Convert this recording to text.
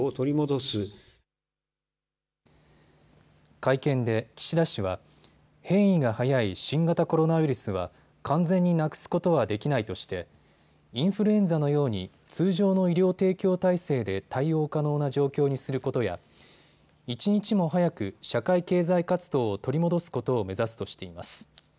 会見で岸田氏は変異が早い新型コロナウイルスは完全になくすことはできないとしてインフルエンザのように通常の医療提供体制で対応可能な状況にすることや一日も早く社会経済活動を取り戻すことを目指すとしています。